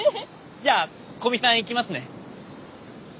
じゃあ古見さんいきますね。